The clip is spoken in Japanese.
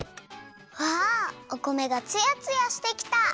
わあおこめがつやつやしてきた！